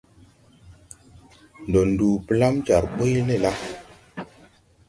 Ndɔ nduu blam jar ɓuy le la ?